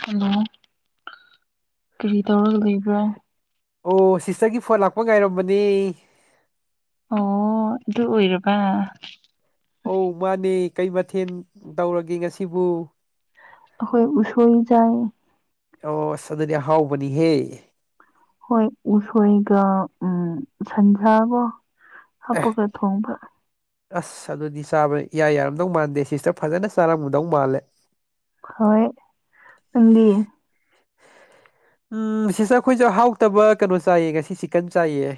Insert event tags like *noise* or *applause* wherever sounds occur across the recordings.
hello ꯀꯔꯤ ꯇꯧꯔꯒ ꯂꯩꯕ꯭ꯔꯣ ꯑꯣ ꯁꯤꯁꯇꯔꯒꯤ ꯐꯣꯟ ꯂꯥꯛꯄ ꯉꯥꯏꯔꯝꯕꯅꯦ ꯑꯣ ꯑꯗꯨ ꯑꯣꯏꯔꯕ ꯑꯧ ꯃꯥꯅꯦ ꯀꯩ ꯃꯊꯦꯜ ꯇꯧꯔꯒꯦ ꯉꯁꯤꯕꯨ ꯑꯩꯈꯣꯢꯏ ꯎꯁꯣꯏ ꯆꯥꯢꯌꯦ ꯑꯣꯁ ꯑꯗꯨꯗꯤ ꯑꯍꯥꯎꯕꯅꯤꯍꯦ ꯍꯣꯏ ꯎꯁꯣꯏꯒ ꯎ ꯁꯟꯁꯥꯕ ꯑꯦ ꯍꯥꯞꯄꯒ ꯊꯣꯡꯕ ꯑꯁ ꯑꯗꯨꯗꯤ ꯆꯥꯕ ꯌꯥꯏ ꯌꯥꯔꯝꯗꯧ ꯃꯥꯟꯗꯦ ꯁꯤꯁꯇ ꯐꯖꯅ ꯆꯥꯔꯝꯃꯗꯧ ꯃꯥꯜꯂꯦ ꯍꯣꯏ ꯅꯪꯗꯤ ꯎꯝ ꯁꯤꯁꯦ ꯑꯩꯈꯣꯏꯁꯨꯦ ꯍꯥꯎꯇꯕ ꯀꯩꯅꯣ ꯆꯥꯏꯌꯦ ꯉꯁꯤ ꯆꯤꯛꯀꯟ ꯆꯥꯏꯑ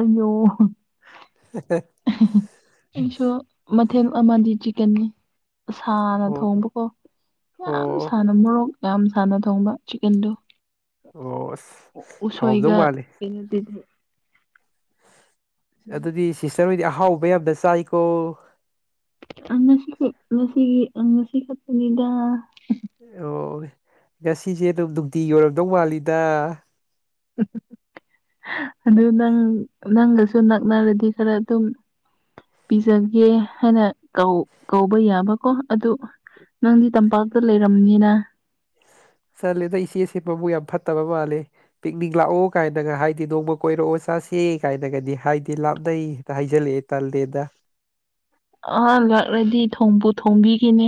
ꯑꯅꯣ ꯑꯩꯁꯨ ꯃꯊꯦꯜ ꯑꯃꯗꯤ ꯆꯤꯀꯟꯅꯤ ꯁꯥꯅ ꯑꯣ ꯊꯣꯡꯕꯀꯣ ꯌꯥꯝ ꯑꯣ ꯁꯥꯅ ꯃꯣꯔꯣꯛ ꯌꯥꯝ ꯁꯥꯅ ꯊꯣꯡꯕ ꯆꯤꯛꯀꯟꯗꯣ ꯑꯣ ꯍꯥꯎꯔꯝꯗꯧ ꯎꯁꯣꯏꯒ ꯃꯥꯜꯂꯦ ꯀꯩꯅꯣꯗꯗꯤ ꯑꯗꯨꯗꯤ ꯁꯤꯁꯇꯔ ꯑꯣꯏꯗꯤ ꯑꯍꯥꯎꯕ ꯌꯥꯝꯗ ꯆꯥꯏꯀꯣ ꯉꯁꯤ ꯉꯁꯤꯒꯤ ꯉꯁꯤ ꯈꯛꯄꯅꯤꯗ ꯑꯣ ꯉꯁꯤꯁꯦ ꯑꯗꯨꯝ ꯅꯨꯡꯇꯤ ꯌꯧꯔꯝꯗꯧ ꯃꯥꯜꯂꯤꯗ ꯑꯗꯨ ꯅꯪ ꯅꯪꯒꯁꯨ ꯅꯛꯅꯔꯗꯤ ꯈꯔ ꯑꯗꯨꯝ ꯄꯤꯖꯒꯦ ꯍꯥꯏꯅ ꯀꯧꯕ ꯌꯥꯕꯀꯣ ꯑꯗꯨ ꯅꯪꯗꯤ ꯇꯝꯄꯥꯛꯇ ꯂꯩꯔꯝꯅꯤꯅ ꯆꯠꯂꯦꯗꯣ ꯏꯆꯦꯁꯦ ꯄꯥꯃꯨꯡ ꯌꯥꯝ ꯐꯠꯇꯕ ꯃꯥꯜꯂꯦ ꯄꯤꯛꯅꯤꯡꯛ ꯂꯥꯛꯑꯣ ꯀꯥꯏꯅꯒ ꯍꯥꯏꯗꯤ ꯅꯣꯡꯃ ꯀꯣꯏꯔꯛꯑꯣ ꯆꯥꯁꯦ ꯀꯥꯏꯅꯒꯗꯤ ꯍꯥꯏꯗꯤ ꯂꯥꯞꯅꯩ ꯇ ꯍꯥꯏꯖꯜꯂꯛꯑꯦ ꯇꯥꯜꯗꯦꯗ ꯑꯍ ꯂꯥꯛꯂꯗꯤ ꯊꯣꯡꯕꯨ ꯊꯣꯡꯕꯤꯈꯤꯅꯦ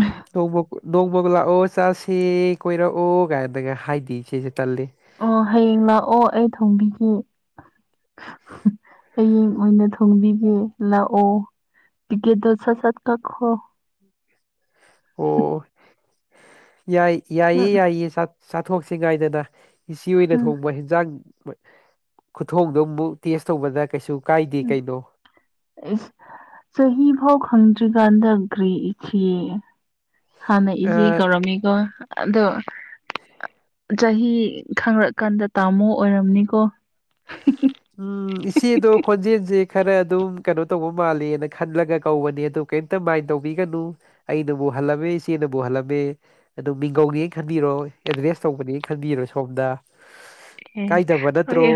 ꯎ ꯅꯣꯡꯃ ꯅꯣꯡꯃꯒ ꯂꯥꯛꯑꯣ ꯆꯥꯁꯤꯦ ꯀꯣꯏꯔꯛꯑꯣ ꯀꯥꯏꯅꯗꯒ ꯍꯥꯏꯗꯤ ꯁꯤꯁꯦ ꯇꯜꯂꯤ ꯑꯣ ꯍꯌꯦꯡ ꯂꯥꯛꯑꯣ ꯑꯩ ꯊꯣꯡꯕꯤꯈꯤ ꯍꯌꯦꯡ ꯑꯣꯏꯅ ꯊꯣꯡꯕꯤꯒꯦ ꯂꯥꯛꯑꯣ ꯇꯒꯦ ꯗꯣꯁꯥ ꯁꯥꯠ ꯀꯈꯣ ꯑꯣ ꯌꯥꯏ ꯌꯥꯏꯌꯦ ꯌꯥꯏꯌꯦ ꯆꯥꯊꯣꯛꯁꯤ ꯀꯥꯏꯗꯅ ꯍꯤꯁꯤ ꯑꯣꯏꯅ ꯊꯣꯡꯕ ꯍꯟꯖꯥꯡ ꯈꯨꯊꯣꯡꯗꯣ ꯑꯃꯨꯛ ꯇꯦꯁ ꯇꯧꯕꯗ ꯀꯩꯁꯨ ꯀꯥꯏꯗꯦ ꯀꯩꯗꯣ ꯑꯦꯁ ꯆꯍꯤ ꯐꯥꯎ ꯈꯪꯗ꯭ꯔꯤꯀꯥꯟꯗ ꯒ꯭ꯔꯤ ꯏꯆꯦ ꯍꯥꯟꯅ ꯏꯖꯤ ꯑ ꯀꯧꯔꯝꯃꯤꯀꯣ ꯑꯗꯣ ꯆꯍꯤ ꯈꯪꯔꯛꯀꯥꯟꯗ ꯇꯥꯃꯣ ꯑꯣꯏꯔꯝꯅꯤꯀꯣ ꯎꯝ ꯏꯆꯦꯗꯣ ꯈꯣꯟꯖꯦꯜꯁꯦ ꯈꯔ ꯑꯗꯨꯝ ꯀꯩꯅꯣ ꯇꯧꯕ ꯃꯥꯜꯂꯦꯅ ꯈꯜꯂꯒ ꯀꯧꯕꯅꯦ ꯑꯗꯨ ꯀꯩꯇ ꯃꯥꯏꯟ ꯇꯧꯕꯤꯒꯅꯨ ꯑꯩꯅꯕꯨ ꯍꯜꯂꯝꯃꯦ ꯏꯆꯦꯅꯕꯨ ꯍꯜꯂꯝꯃꯦ ꯑꯗꯨꯝ ꯃꯤꯡꯒꯧꯅꯦ ꯈꯟꯕꯤꯔꯣ ꯑꯦꯗ꯭ꯔꯦꯁ ꯇꯧꯕꯅꯦꯅ ꯈꯟꯕꯤꯔꯣ ꯁꯣꯝꯗ ꯑꯦ ꯀꯥꯏ ꯊꯕ ꯅꯠꯇ꯭ꯔꯣ ꯍꯣꯏ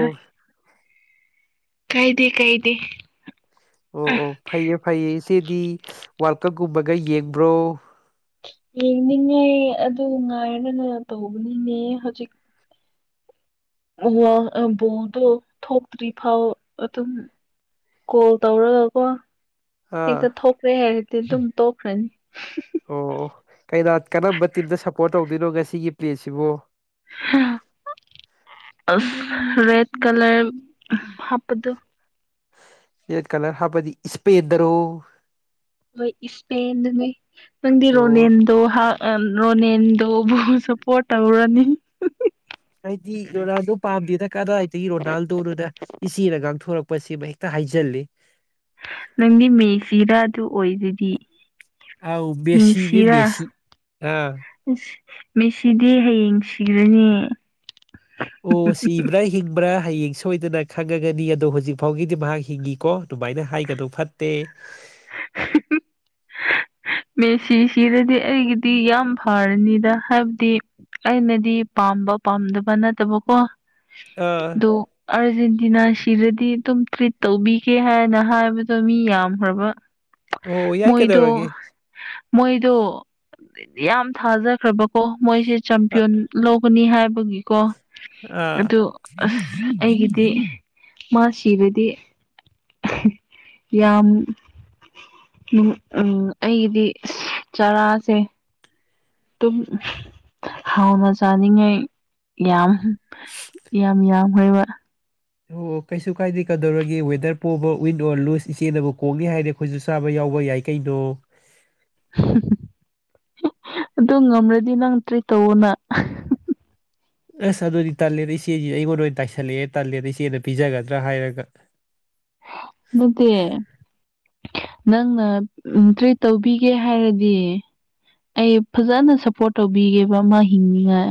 ꯀꯩꯥꯏꯗ ꯀꯩꯗꯦ ꯑꯣ ꯑꯣ ꯐꯩꯌꯦ ꯐꯩꯌꯦ ꯏꯆꯦꯗꯤ ꯋꯥꯔꯜ ꯀꯞꯀꯨꯝꯕꯒ ꯌꯦꯡꯕ꯭ꯔꯣ ꯌꯦꯡꯅꯤꯡꯉꯦ ꯑꯗꯨ ꯉꯥꯏꯅꯅ ꯇꯧꯕꯅꯤꯡꯉ ꯍꯧꯖꯤꯛ ꯑꯣ ꯣꯗꯣ ꯊꯣꯛꯇ꯭ꯔꯤ ꯐꯥꯎ ꯑꯗꯨꯝ ꯀꯣꯜ ꯇꯧꯔꯒꯀꯣ ꯑꯥ ꯍꯦꯛꯇ ꯊꯣꯛꯈꯦ ꯍꯥꯏꯔꯗꯤ ꯑꯗꯨꯝ ꯇꯣꯛꯈ꯭ꯔꯅꯤ ꯑꯣ ꯀ ꯀꯔꯝꯕ ꯇꯤꯝꯗ ꯁꯞꯄꯣꯔꯠ ꯇꯧꯗꯣꯏꯅꯣ ꯉꯁꯤꯒꯤ ꯄ꯭ꯂꯦꯁꯤꯕꯣ ꯑ ꯔꯦꯠ ꯀꯂꯔ ꯍꯥꯞꯄꯗꯨ ꯌꯦꯠ ꯀꯂꯔ ꯍꯥꯞꯄꯗꯤ ꯏꯁꯄꯦꯗꯔꯣ ꯍꯣꯏ ꯏꯁꯄꯦꯟꯗ ꯅꯣꯏ ꯅꯪꯗꯤ ꯑꯣ ꯔꯣꯅꯦꯟꯗꯣ ꯑ ꯔꯅꯤꯟꯗꯣꯕꯨ ꯁꯄꯣꯔꯠꯕ ꯔꯅꯤꯟ ꯍꯥꯏꯗꯤ ꯔꯣꯅꯥꯜꯗꯣ ꯄꯥꯝꯗꯦꯅ ꯀꯗꯥꯏꯗꯒꯤ ꯔꯣꯅꯥꯜꯗꯣꯅꯗ ꯏꯆꯦꯅ ꯉꯥꯡꯊꯣꯔꯛꯄꯁꯤꯃ ꯍꯦꯛꯇ ꯍꯥꯏꯖꯤꯜꯂꯤ ꯅꯪꯗꯤ ꯃꯦꯁꯤꯔꯥ ꯑꯗꯨ ꯑꯣꯏꯗ ꯑꯥꯎ ꯁꯤꯤꯗꯤꯦ ꯦꯁꯤꯤ ꯑ ꯑꯁ ꯃꯤꯁꯤꯗꯤ ꯍꯌꯦꯡ ꯁꯤꯔꯅꯤ ꯑꯣ ꯁꯤꯕ꯭ꯔꯩ ꯍꯤꯡꯕ꯭ꯔꯥ ꯍꯌꯦꯡ ꯁꯣꯏꯗꯅ ꯈꯪꯉꯒꯅꯤ ꯑꯗꯣ ꯍꯧꯖꯤꯛ ꯐꯥꯎꯒꯤꯗꯤ ꯃꯍꯥꯛ ꯍꯤꯡꯉꯤꯀꯣ ꯑꯗꯨꯃꯥꯏꯅ ꯍꯥꯏꯒꯗꯣ ꯐꯠ ꯇ ꯃꯦꯁꯤꯁꯤꯗꯗꯤ ꯑꯩꯒꯤꯗꯤ ꯌꯥꯝ ꯐꯔꯅꯤꯗ ꯍꯥꯏꯕꯗꯤ ꯑꯩꯅꯗꯤ ꯄꯥꯝꯕ ꯄꯥꯝꯗꯕ ꯅꯠꯇꯕꯀꯣ ꯑꯥ ꯑꯗꯨꯣ ꯑꯥꯔꯖꯦꯟꯇꯤꯅꯥ ꯁꯤꯗꯗꯤ ꯑꯗꯨꯝ ꯇ꯭ꯔꯤꯠ ꯇꯧꯕꯤꯒꯦ ꯍꯥꯏꯅ ꯍꯥꯏꯕꯗꯣ ꯃꯤ ꯌꯥꯝꯈ꯭ꯔꯕ ꯑꯣ ꯌꯥꯏ ꯃꯣꯏꯗ ꯀꯩꯗꯧꯔꯒꯦ ꯃꯣꯏꯗꯣ ꯌꯥꯝ ꯊꯥꯖꯈ꯭ꯔꯕꯀꯣ ꯃꯣꯏꯁꯦ ꯑ ꯆꯝꯄꯤꯌꯟ ꯂꯧꯒꯅꯤ ꯍꯥꯏꯕꯒꯤꯀꯣ ꯑꯥ ꯑꯗꯨ ꯑ ꯑꯩꯒꯤꯗꯤ ꯃꯥ ꯁꯤꯕꯗꯤ ꯌꯥꯝ ꯎꯝ ꯑꯩꯒꯤꯗꯤ ꯆꯥꯔꯥꯁꯦ ꯑꯗꯨꯝ ꯍꯥꯎꯅ ꯆꯥꯅꯤꯡꯉꯥꯏ ꯌꯥꯝ ꯌꯥꯝ ꯌꯥꯝꯈ꯭ꯔꯣꯏꯕ ꯑꯣ ꯑꯣ ꯀꯩꯁꯨ ꯀꯥꯏꯗꯦ ꯀꯩꯗꯧꯔꯒꯦ ꯋꯦꯗꯔ ꯄꯣꯕ ꯋꯤꯟ ꯑꯣꯔ ꯂꯨꯁ ꯏꯆꯦꯅꯕꯨ ꯀꯣꯡꯅꯤ ꯍꯥꯏꯔꯦ ꯑꯩꯈꯣꯏꯁꯨ ꯆꯥꯕ ꯌꯥꯎꯕ ꯌꯥꯏꯀꯩꯗꯣ ꯑꯗꯨ ꯉꯝꯂꯗꯤ ꯅꯪ ꯇ꯭ꯔꯤ ꯇꯧꯑꯣꯅ ꯑꯁ ꯑꯗꯨꯗꯤ ꯇꯥꯂꯦꯗ ꯏꯆꯦꯁꯤ ꯑꯩꯉꯣꯟꯗ ꯑꯣꯏꯅ ꯇꯥꯏꯁꯜꯂꯛꯑꯦ ꯇꯥꯂꯦꯟꯗ ꯏꯆꯦꯗ ꯄꯤꯖꯒꯗ꯭ꯔꯥ ꯍꯥꯏꯔꯒ ꯃꯠꯇꯦ ꯅꯪꯅ ꯇ꯭ꯔꯤꯠ ꯇꯧꯕꯤꯒꯦ ꯍꯥꯏꯔꯗꯤ ꯑꯩ ꯐꯖꯅ ꯁꯞꯄꯣꯔꯠ ꯇꯧꯕꯤꯒꯦꯕ ꯑꯃ ꯍꯤꯡꯅꯤꯉꯥꯏ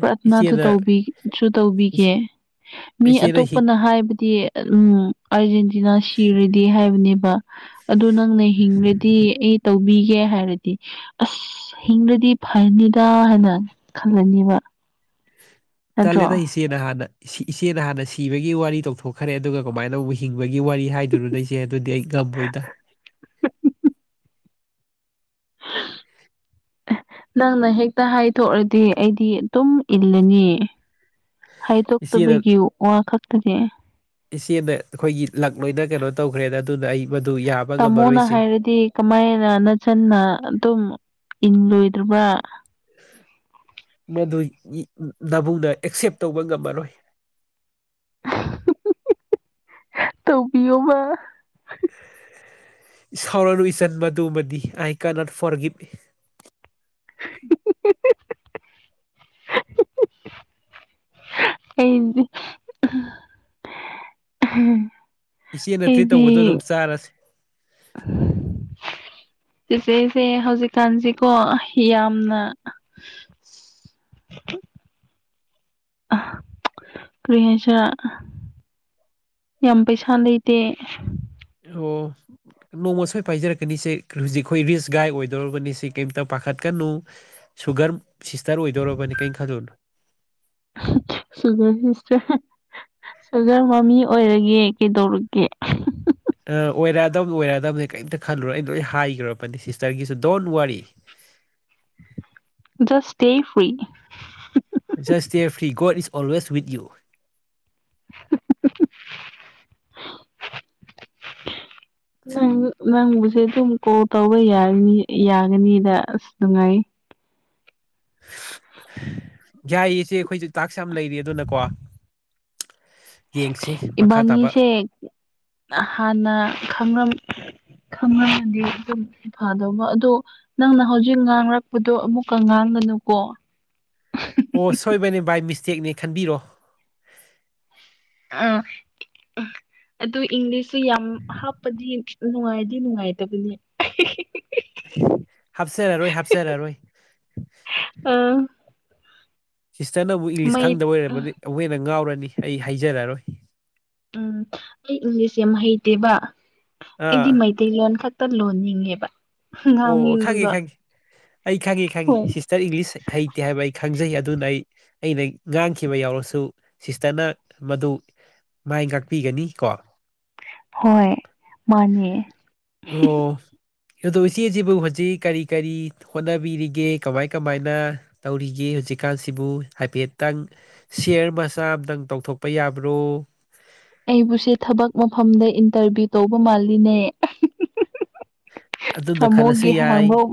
ꯄ꯭ꯔꯊꯅꯥꯁꯨ ꯏꯆꯦꯅ ꯇꯧꯕꯤꯁꯨ ꯇꯧꯕꯤꯒꯦ ꯃꯤ ꯏꯆꯦꯅ ꯍꯤꯡ ꯑꯇꯣꯞꯄꯅ ꯍꯥꯏꯕꯗꯤ ꯎꯝ ꯑꯥꯔꯖꯦꯟꯇꯤꯅꯥ ꯁꯤꯔꯗꯤ ꯍꯥꯏꯕꯅꯦꯕ ꯑꯗꯨ ꯅꯪꯅ ꯍꯤꯡꯕꯗꯤ ꯑꯩ ꯇꯧꯕꯤꯒꯦ ꯍꯥꯏꯔꯗꯤ ꯑꯁ ꯍꯤꯡꯗꯗꯤ ꯐꯩꯅꯤꯗ ꯍꯥꯏꯅ ꯈꯜꯂꯅꯦꯕ ꯇꯜꯂꯦꯗꯁ ꯏꯆꯦꯅ ꯍꯥꯟꯅ ꯏꯆꯦꯅ ꯍꯥꯟꯅ ꯁꯤꯕꯒꯤ ꯋꯥꯔꯤ ꯇꯧꯊꯣꯛꯈ꯭ꯔꯦ ꯑꯗꯨꯒ ꯀꯃꯥꯏꯅ ꯇ ꯍꯤꯡꯕꯒꯤ ꯋꯥꯔꯤ ꯍꯥꯏꯗꯨꯅꯣ ꯆꯆꯦ ꯑꯗꯨꯗꯤ ꯑꯩ ꯝꯕꯣꯏꯗ *unintelligible* ꯅꯪꯅ ꯍꯦꯛꯇ ꯍꯥꯏꯊꯣꯛꯑꯗꯤ ꯑꯩꯗꯤ ꯑꯗꯨꯝ ꯏꯜꯂꯅꯤ ꯍꯥꯏꯇ ꯏꯆꯦꯅ ꯇꯕꯒꯤ꯭ꯌꯨ ꯋꯥ ꯀꯥꯛꯇꯥꯗꯤ ꯏꯆꯦꯅ ꯑꯩꯈꯣꯏꯒꯤ ꯂꯛ ꯂꯣꯏꯅ ꯀꯩꯅꯣ ꯇꯧꯈ꯭ꯔꯦꯅ ꯑꯗꯨꯅ ꯑꯩ ꯃꯗꯨ ꯌꯥꯝ ꯇꯥꯃꯣꯅ ꯍꯥꯏꯔꯗꯤ ꯀꯃꯥꯏꯅ ꯅꯆꯟꯅ ꯑꯗꯨꯝ ꯏꯜꯂꯣꯏꯗ꯭ꯔꯤꯕ꯭ꯔꯥ ꯃꯗꯨ ꯅꯕꯨꯡꯅ ꯑꯦꯛꯁꯦꯞ ꯇꯧꯕ ꯉꯝꯃꯔꯣꯏ ꯇꯧꯕꯤꯌꯣꯕ ꯁꯥꯎꯔꯅꯨ ꯏꯆꯟ ꯃꯗꯨꯃꯗꯤ ꯑꯥꯏ ꯀꯅꯥꯠ ꯐꯣꯔ ꯒꯤꯞ *unintelligible* ꯀꯩꯗꯤ ꯎꯝ ꯏꯆꯦ ꯅꯠꯇ꯭ꯔꯤ ꯇꯧꯕꯗꯣ ꯑꯗꯨꯝ ꯆꯥꯔꯁꯤꯦ ꯆꯤꯆꯦꯁꯦ ꯍꯧꯖꯤꯛꯀꯥꯟꯁꯤꯀꯣ ꯌꯥꯝꯅ ꯀ꯭ꯔꯤꯍꯁ ꯌꯥꯝ ꯄꯩꯁꯥ ꯂꯩꯇꯦ ꯑꯣ ꯅꯣꯡꯃ ꯁꯣꯏ ꯄꯥꯏꯖꯔꯛꯀꯅꯤꯁꯦ ꯍꯧꯖꯤꯛ ꯑꯩꯈꯣꯏ ꯔꯤꯁ ꯒꯥꯏꯗ ꯑꯣꯏꯗꯧꯔꯕꯅꯤ ꯁꯤ ꯀꯩꯝꯇ ꯄꯥꯈꯠꯀꯅꯨ ꯁꯨꯒꯔ ꯁꯤꯁꯇꯔ ꯑꯣꯏꯗꯧꯔꯕꯅꯦ ꯀꯩꯅꯣ ꯈꯜꯗꯣꯏꯅꯣ ꯁꯨꯒꯔ ꯁꯤꯁꯇꯔ ꯁꯨꯒꯔ ꯃꯃꯤ ꯑꯣꯏꯔꯒꯦ ꯀꯩꯗꯧꯔꯛꯒꯦ ꯑꯣꯏꯔꯛꯑꯗꯕꯅꯤ ꯑꯣꯏꯔꯛꯗꯕꯅꯤ ꯀꯔꯤꯝꯇ ꯈꯜꯂꯨꯔꯣ ꯑꯩ ꯂꯣꯏ ꯍꯥꯏꯈ꯭ꯔꯕꯅꯤ ꯁꯤꯁꯇꯔꯒꯤꯁꯨ ꯗꯣꯟ ꯋꯥꯔꯤ ꯁ ꯁꯦ ꯐ꯭ꯔꯤ ꯖꯁ ꯑꯦꯦꯔ ꯐ꯭ꯔꯤ ꯣꯠ ꯏꯁ ꯑꯣꯜꯋꯦ ꯋꯠ ꯌꯨ ꯅ ꯅꯪꯕꯨꯁꯦ ꯑꯗꯨꯝ ꯀꯣꯜ ꯇꯧꯕ ꯌꯥꯅꯤ ꯌꯥꯒꯅꯤꯗ ꯑꯁ ꯅꯨꯡꯉꯥꯏ *unintelligible* ꯌꯥꯏꯌꯦꯁꯦ ꯑꯩꯈꯣꯏꯁꯨ ꯇꯥꯛꯁ ꯌꯥꯝ ꯂꯩꯔꯤ ꯑꯗꯨꯅꯀꯣ ꯌꯦꯡꯁꯤ ꯃꯈꯥ ꯇꯥꯕ ꯏꯕꯥꯅꯤꯁꯦ ꯍꯥꯟꯅ ꯈꯪꯉꯝꯃꯗꯤ ꯑꯗꯨꯝ ꯐꯗꯧꯕ ꯑꯗꯨ ꯅꯪꯅ ꯍꯧꯖꯤꯛ ꯉꯥꯡꯔꯛꯄꯗꯣ ꯑꯃꯨꯛꯀ ꯉꯥꯡꯒꯅꯨꯀꯣ ꯑꯣ ꯁꯣꯏꯕꯅꯦ ꯕꯥꯏ ꯃꯤꯁꯇꯦꯛꯅꯦ ꯈꯟꯕꯤꯔꯣ ꯑ ꯑꯗꯨ ꯏꯪꯂꯤꯁꯁꯨ ꯌꯥꯝ ꯍꯥꯞꯄꯗꯤ ꯅꯨꯡꯉꯥꯏꯗꯤ ꯅꯨꯡꯉꯥꯏꯇꯕꯅꯤ *unintelligible* ꯍꯥꯞꯆꯔꯔꯣꯏ ꯍꯥꯞꯆꯔꯔꯣꯏ ꯑ ꯁꯤꯁꯇꯔꯅꯕꯨꯛ ꯏꯪꯂꯤꯁ ꯃꯩ ꯈꯪꯗꯕ ꯑꯣꯏꯔꯝꯔꯕꯗꯤꯨꯛ ꯍꯦꯟꯅ ꯉꯥꯎꯔꯅꯤ ꯑꯩ ꯍꯥꯏꯖꯔꯔꯣꯏ ꯎꯝ ꯑꯩ ꯏꯪꯂꯤꯁ ꯌꯥꯝꯦ ꯃꯍꯩꯇꯦꯕ ꯑꯥ ꯑꯩꯗꯤ ꯃꯩ ꯇꯩ ꯂꯂꯣꯟ ꯈꯛꯇ ꯂꯣꯟꯅꯤꯡꯉꯦꯕ ꯑꯣ ꯈꯪꯉꯦ ꯉꯥꯡꯅꯤꯡꯉꯦꯕ ꯈꯪꯉꯦ ꯑꯩ ꯈꯪꯉꯤ ꯍꯣꯏ ꯈꯪꯉꯤ ꯆꯠ ꯏꯪꯂꯤꯁ ꯍꯩꯇꯦ ꯍꯥꯏꯕ ꯑꯩ ꯈꯪꯖꯩ ꯑꯗꯨꯅ ꯑꯩ ꯑꯩꯅ ꯉꯥꯡꯈꯤꯕ ꯌꯥꯎꯔꯁꯨ ꯁꯤꯁꯇꯔꯅ ꯃꯗꯨ ꯃꯥꯏ ꯉꯥꯛꯄꯤꯒꯅꯤ ꯀꯣ ꯍꯣꯏ ꯃꯥꯅꯦ ꯑꯣ ꯏꯆꯦꯁꯤꯕꯨ ꯍꯧꯖꯤꯛ ꯀꯔꯤ ꯀꯔꯤ ꯍꯣꯠꯅꯕꯤꯔꯤꯒꯦ ꯀꯃꯥꯏ ꯀꯃꯥꯏꯅ ꯇꯧꯔꯤꯒꯦ ꯍꯧꯖꯤꯛꯀꯥꯟꯁꯤꯕꯨ ꯍꯥꯏꯐꯦꯠꯇꯪ ꯁꯤꯌꯔ ꯃꯆꯥ ꯑꯝꯇꯪ ꯇꯧꯊꯣꯛꯄ ꯌꯥꯕ꯭ꯔꯣ ꯑꯩꯕꯨꯁꯦ ꯊꯕꯛ ꯃꯐꯝꯗ ꯏꯟꯇꯔꯚꯤꯌꯨ ꯇꯧꯕ ꯃꯥꯜꯂꯤꯅꯦ ꯑꯗꯨꯅ ꯈꯜꯂꯁꯨ ꯊꯃꯣꯒꯤ ꯌꯥꯏ ꯍꯥꯡꯕꯧ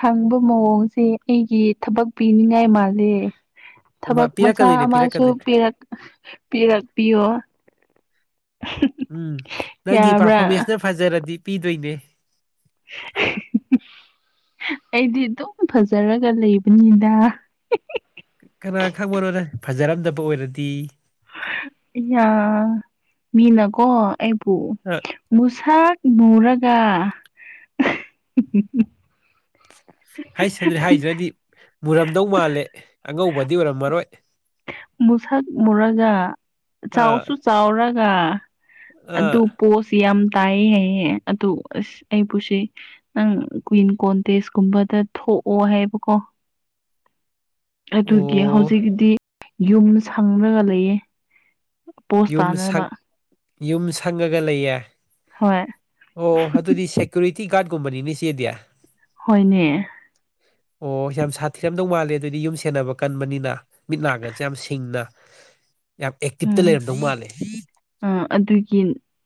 ꯍꯪꯕ ꯃꯑꯣꯡꯁꯦ ꯑꯩꯒꯤ ꯊꯕꯛ ꯄꯤꯅꯤꯡꯉꯥꯏ ꯃꯥꯜꯂꯦ ꯃꯥ ꯊꯕꯛ ꯃꯆꯥ ꯄꯤꯔꯛꯀꯗꯣꯏꯅꯦ ꯑꯃꯁꯨ ꯄꯤꯔꯛꯀꯗꯣꯏꯅꯦ ꯄꯤꯔꯛ ꯄꯤꯔꯛꯄꯤꯌꯣ ꯎꯝ ꯅꯪꯒꯤ ꯌꯥꯕ꯭ꯔꯥ ꯄꯔꯐꯣꯔꯃꯦꯟꯁꯅ ꯐꯖꯔꯗꯤ ꯄꯤꯗꯣꯏꯅꯦ *unintelligible* ꯑꯩꯗꯤ ꯑꯗꯨꯝ ꯐꯖꯔꯒ ꯂꯩꯕꯅꯤꯗ ꯀꯅꯥ ꯈꯪꯕꯅꯣꯗ ꯐꯖꯔꯝꯗꯕ ꯑꯣꯏꯔꯗꯤ ꯌꯥ ꯃꯤꯅꯀꯣ ꯑꯩꯕꯨ ꯑ ꯃꯨꯁꯥꯛ ꯃꯨꯔꯒ ꯍ ꯁꯗ꯭ꯔꯦ ꯍꯥꯏꯗ꯭ꯔꯗꯤ ꯃꯨꯔꯝꯗꯧ ꯃꯥꯜꯂꯦ ꯑꯉꯧꯕꯗꯤ ꯑꯣꯏꯔꯝꯃꯔꯣꯏ ꯃꯨꯁꯛ ꯃꯨꯔꯒ ꯑꯥ ꯆꯥꯎꯁꯨ ꯆꯥꯎꯔꯒ ꯑꯥ ꯑꯗꯨ ꯄꯣꯁꯤ ꯌꯥꯝ ꯇꯥꯏ ꯍꯥꯏ ꯑꯗꯨ ꯑꯁ ꯑꯩ ꯄꯨꯁꯤ ꯅꯪ ꯀꯨꯋꯤꯟ ꯀꯣꯟꯇꯦꯁꯀꯨꯝꯕꯗ ꯊꯣꯛꯑꯣ ꯍꯥꯏꯕꯀꯣ ꯑꯗꯨꯒꯤ ꯑꯣ ꯍꯧꯖꯤꯛꯗꯤ ꯌꯨꯝ ꯁꯪꯉꯒ ꯂꯩꯌꯦ ꯄꯣꯁ ꯌꯨꯝ ꯇꯥꯅꯕ ꯌꯨꯝ ꯁꯪꯉꯒ ꯂꯩꯌꯦ ꯍꯣꯏ ꯑꯣ ꯑꯗꯨꯗꯤ ꯁꯦꯀ꯭ꯌꯨꯔꯤꯇꯤ ꯒꯥꯔꯗꯀꯨꯝꯕꯅꯤꯅꯤ ꯆꯦꯗꯤ ꯍꯣꯏꯅꯦ ꯑꯣ ꯌꯥꯝ ꯁꯥꯊꯤꯔꯝꯗꯧ ꯃꯥꯜꯂꯦ ꯑꯗꯨꯗꯤ ꯌꯨꯝ ꯁꯦꯟꯅꯕ ꯀꯟꯕꯅꯤꯅ ꯃꯤꯠ ꯅꯥꯒꯁꯦ ꯌꯥꯝ ꯁꯤꯡꯅ ꯌꯥꯝ ꯑꯦꯛꯇꯤꯞꯇ ꯎꯝ ꯂꯩꯔꯝꯗꯧ ꯃꯥꯜꯂꯦ ꯑ ꯑꯗꯨꯒꯤ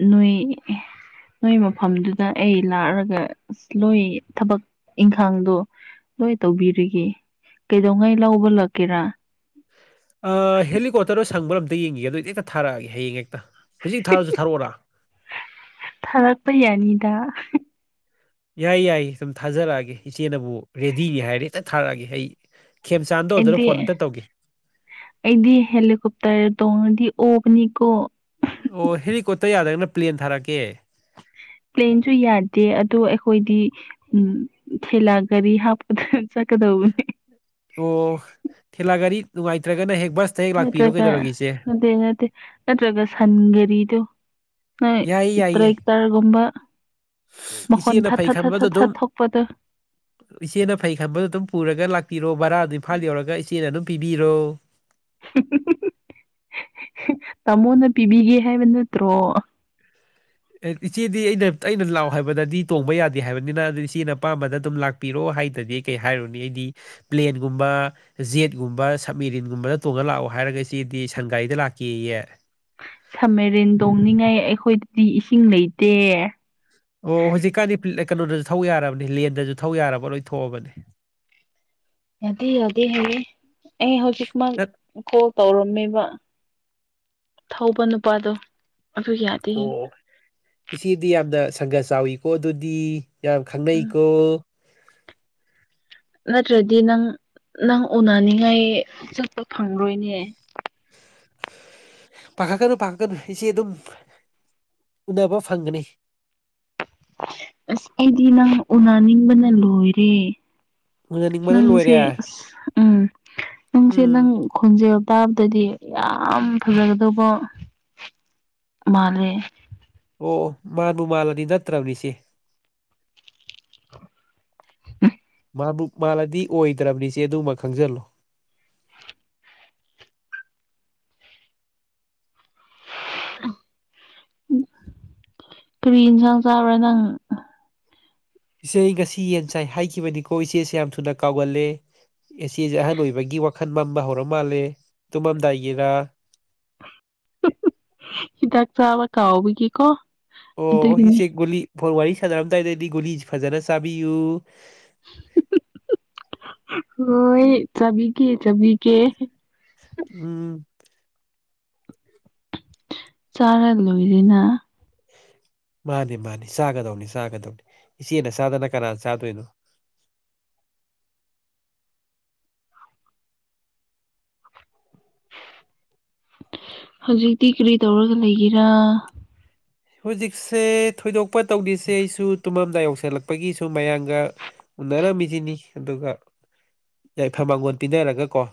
ꯅꯣꯏ ꯅꯣꯏ ꯃꯐꯝꯗꯨꯗ ꯑꯩ ꯂꯥꯛꯔꯒ ꯑ ꯅꯣꯏ ꯊꯕꯛ ꯏꯪꯈꯥꯡꯗꯣ ꯂꯣꯏ ꯇꯧꯕꯤꯔꯤꯒꯦ ꯀꯩꯗꯧꯉꯩ ꯂꯧꯕ ꯂꯥꯛꯀꯦꯔꯥ ꯍꯦꯂꯤꯀꯣꯞꯇꯔꯗ ꯁꯪꯕꯔ ꯑꯝꯇ ꯌꯦꯡꯒꯦ ꯑꯗꯣ ꯍꯦꯛꯇ ꯊꯥꯔꯛꯑꯒꯦ ꯍꯌꯦꯡ ꯍꯦꯛꯇ ꯍꯧꯖꯤꯛ ꯊꯥꯔꯁꯨ ꯊꯥꯔꯛꯑꯣꯔꯥ ꯊꯥꯔꯛꯄ ꯌꯥꯅꯤꯗ ꯌꯥꯏ ꯌꯥꯏ ꯁꯨꯝ ꯊꯥꯖꯔꯛꯑꯒꯦ ꯏꯆꯦꯅꯕꯨ ꯔꯦꯗꯤꯅꯤ ꯍꯥꯏꯔꯦ ꯍꯦꯛꯇ ꯊꯥꯔꯛꯑꯒꯦ ꯑꯩ ꯈꯦꯝꯆꯥꯟꯗ ꯑꯣꯗꯔ ꯑꯩꯗꯤ ꯐꯣꯟ ꯑꯃꯝꯇ ꯇꯧꯒꯦ ꯑꯩꯗꯤ ꯍꯦꯂꯤꯀꯣꯞꯇꯔ ꯇꯣꯡꯉꯗꯤ ꯑꯣꯕꯅꯤꯀꯣ ꯑꯣ ꯍꯦꯂꯤꯀꯣꯞꯇꯔ ꯌꯥꯗ꯭ꯔꯒꯅ ꯄ꯭ꯂꯦꯟ ꯊꯥꯔꯛꯀꯦ ꯄ꯭ꯂꯦꯟꯁꯨ ꯌꯥꯗꯦ ꯑꯗꯣ ꯑꯩꯈꯣꯏꯗꯤ ꯎꯝ ꯊꯦꯂꯥ ꯒꯥꯔꯤ ꯍꯥꯞꯄꯗ ꯆꯠꯀꯗꯧꯕꯅꯦ ꯑꯣ ꯊꯦꯂꯥ ꯒꯥꯔꯤ ꯅꯨꯡꯉꯥꯏꯇ꯭ꯔꯒꯅ ꯍꯦꯛ ꯕꯁ ꯅꯠꯇ꯭ꯔꯒ ꯅꯠꯇꯦ ꯅꯠꯇꯦ ꯅꯠꯇ꯭ꯔꯒ ꯁꯟꯒꯔꯤꯗꯣ ꯅꫭꯏ ꯌꯥꯏꯌꯦ ꯌꯥꯏꯌꯦ ꯇ꯭ꯔ‌ꯦꯛꯇꯔꯒꯨꯝꯕ ꯃ‌ꯈꫭꯟ ꯏꯆꯦꯅ ꯊꯠ ꯐꯩ ꯊꯥꯠ ꯊꯠ ꯈꯟꯕꯗꯣ ꯊꯠ ꯊꯠ ꯑꯗꯨꯝ ꯊꯣꯛꯄꯗ‌ꯣ ꯏꯆꯦꯅ ꯐꯩ ꯈꯟꯕꯗꯣ ꯑꯗꯨꯝ ꯄꯨꯔꯒ ꯂꯥꯛꯄꯤꯔꯣ ꯕꯔꯥꯗꯤ ꯏꯝꯐꯥꯜ ꯌꯧꯔꯒ ꯏꯆꯦꯅ ꯑꯗꯨꯝ ꯄꯤꯕꯤꯔꯣ ꯇꯥꯃꯣꯅ ꯄꯤꯕꯤꯒꯦ ꯍꯥꯏꯕ ꯅꯠꯇ꯭ꯔꯣ ꯏꯆꯦꯗꯤ ꯑꯩꯅ ꯑꯩꯅ ꯂꯥꯛꯑꯣ ꯍꯥꯏꯕꯗꯗꯤ ꯇꯣꯡꯕ ꯌꯥꯗꯦ ꯍꯥꯏꯕꯅꯤꯅ ꯑꯗꯨ ꯏꯆꯦꯅ ꯑꯄꯥꯝꯕꯗ ꯑꯗꯨꯝ ꯂꯥꯛ ꯄꯤꯔꯛꯑꯣ ꯍꯥꯏꯗ꯭ꯔꯗꯤ ꯀꯩ ꯍꯥꯏꯔꯨꯅꯤ ꯑꯩꯗꯤ ꯄ꯭ꯂꯦꯟꯒꯨꯝꯕ ꯖꯦꯠꯀꯨꯝꯕ ꯁꯕꯃ‌ꯦꯔꯤꯟꯒꯨꯝꯕꯗ ꯇꯣꯡꯉ ꯂꯥꯛꯑꯣ ꯍꯥꯏꯔꯒ ꯆ‌ꯦꯗꯤ ꯁꯟꯒꯥꯔꯤꯗ ꯂꯥꯛꯀꯦꯌꯦ ꯁꯝꯃꯦꯔꯤꯟ ꯇꯣꯡꯅꯤꯡꯉꯥꯏ ꯑꯩꯈꯣꯏꯗꯗꯤ ꯏꯁꯤꯡ ꯂꯩꯇꯦ ꯑꯣ ꯍꯧꯖꯤꯛꯀꯥꯟꯗꯤ ꯀꯩꯅꯣꯗꯁꯨ ꯊꯧ ꯌꯥꯔꯕꯅꯤ ꯂꯦꯟꯗꯁꯨ ꯊꯧ ꯌꯥꯔꯕ ꯂꯣꯏ ꯊꯣꯛꯑꯕꯅꯦ ꯌꯥꯗꯦ ꯌꯥꯗꯦ ꯍꯥꯏꯌꯦ ꯑꯩ ꯍꯧꯖꯤꯛꯃꯛ ꯅꯠ- ꯀꯣꯜ ꯇꯧꯔꯝꯃꯦꯕ ꯊꯧꯕ ꯅꯨꯄꯥꯗꯣ ꯑꯗꯨ ꯌꯥꯏ ꯑꯣ ꯏꯆꯦꯗꯤ ꯌꯥꯝꯅ ꯁꯪꯒ ꯆꯥꯎꯋꯤꯀꯣ ꯑꯗꯨꯗꯤ ꯌꯥꯝ ꯎꯝ ꯈꯪꯅꯩꯀꯣ ꯅꯠꯇ꯭ꯔꯗꯤ ꯅꯪ ꯅꯪ ꯎꯅꯅꯤꯡꯉꯥꯏ ꯆꯠꯄ ꯐꯪꯉꫭꯏꯅꯦ ꯄꯥꯈꯠꯀꯅꯨ ꯄꯥꯈꯠꯀꯅꯨ ꯏꯆꯦꯗꯨꯝ ꯎꯅꯕ ꯐꯪꯒꯅꯤ ꯑꯁ ꯑꯩꯗꯤ ꯅꯪ ꯎꯅꯅꯤꯡꯕꯅ ꯂꯣꯏꯔꯦ ꯎꯅꯅꯤꯡꯕꯅ ꯅꯪꯁꯦ ꯂꯣꯏꯔꯦ ꯑꯁ ꯎꯝ ꯅꯪꯁꯦ ꯎꯝ ꯅꯪ ꯈꯣꯟꯖꯦꯜ ꯇꯥꯕꯗꯗꯤ ꯌꯥꯝ ꯐꯖꯒꯗꯧꯕ ꯃꯥꯜꯂꯦ ꯑꯣ ꯃꯥꯟꯕꯨ ꯃꯥꯜꯂꯗꯤ ꯅꯠꯇ꯭ꯔꯕꯅꯤ ꯏꯆꯦ *unintelligible* ꯃꯥꯟꯕꯨ ꯃꯥꯜꯂꯗꯤ ꯑꯣꯏꯗ꯭ꯔꯕꯅꯤ ꯏꯆꯦ ꯑꯗꯨꯃ ꯈꯪꯖꯜꯂꯣ ꯀꯔꯤ ꯏꯟꯁꯥꯡ ꯆꯥꯕ꯭ꯔꯥ ꯅꯪ ꯏꯆꯦ ꯑꯩ ꯉꯁꯤ ꯌꯦꯟ ꯆꯥꯏ ꯍꯥꯏꯈꯤꯕꯅꯤꯀꯣ ꯏꯆꯦꯁꯦ ꯌꯥꯝ ꯊꯨꯅ ꯀꯥꯎꯒꯜꯂꯦ ꯏꯆ‌ꯦꯖ‌ꯦ ꯑꯍꯟ ꯑꯣꯏꯕꯒꯤ ꯋꯥꯈꯜ ꯃꯝꯕ ꯍꯧꯔ ꯃꯥꯜꯂꯦ ꯇꯨꯝꯃꯝꯗꯥꯏꯒꯤꯔ ꯍꯤꯗꯥꯛ ꯆꯥꯕ ꯀꯥꯎꯕꯒꯤꯀꯣ ꯑꯣ ꯑꯣ ꯑꯗꯨꯒꯤꯅꯦ ꯏꯆꯦ ꯒꯨꯂꯤ ꯐꫭꯟ ꯋꯥꯔꯤ ꯁꯥꯟꯅꯔꯝꯗꯥꯏꯗꯗꯤ ꯒꯨꯂꯤ ꯐꯖꯅ ꯆꯥꯕꯤꯌꯨ ꯍꯣꯏ ꯆꯥꯕꯤꯒꯦ ꯆꯥꯕꯤꯒꯦ ꯎꯝ ꯆꯥꯔ ꯂꯣꯏꯔ‌ꯦꯅ ꯃꯥꯅꯤ ꯃꯥꯅꯤ ꯆꯥꯒꯗꯧꯅꯤ ꯆꯥꯒꯗꯧꯅꯤ ꯏꯆꯦꯅ ꯆꯥꯗꯅ ꯀꯅꯥꯅ ꯆꯥꯗꯣꯏꯅꯣ ꯍꯧꯖꯤꯛꯇꯤ ꯀꯔꯤ ꯇꯧꯔꯒ ꯂꯩꯒꯦꯔꯥ ꯍꯧꯖꯤꯛꯁꯦ ꯊꯣꯏꯗꯣꯛꯄ ꯇꯧꯗ‌ꯦꯁꯦ ꯑꯩꯁꯨ ꯇꯨꯝꯃꯝꯗꯥꯏ ꯌꯧꯁꯤꯜꯂꯛꯄꯒꯤ ꯁꯨꯝ ꯃꯌꯥꯝꯒ ꯎꯅꯔꯝꯃꯤꯁꯤꯅꯤ ꯑꯗꯨꯒ ꯌꯥꯏꯐ ꯃꯥꯡꯒꯣꯜ ꯄꯤꯟꯅꯔꯒ ꯀꯣ